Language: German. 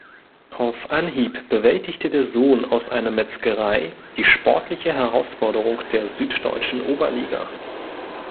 Auf Anhieb bewältigte der Sohn aus einer Metzgerei die sportliche Herausforderung der süddeutschen Oberliga.